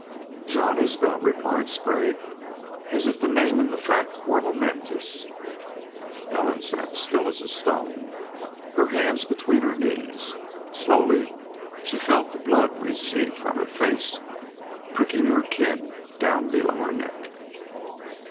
"Jean Isbel," replied Sprague, as if the name and the fact were momentous. Ellen sat still as a stone, her hands between her knees. Slowly she felt the blood recede from her face, prickling her kin down below her neck.